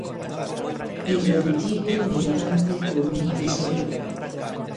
Irredutíbel militante por un país mellor.